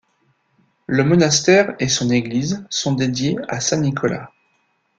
Le monastère et son église sont dédiés à Saint Nicolas.